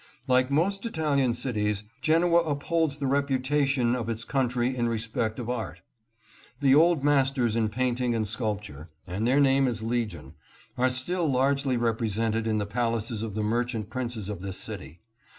Like most Italian cities, Genoa upholds the reputation of its country in respect of art. The old masters in painting and sculpture — and their name is legion — are still largely represented in the palaces of the merchant princes of this city.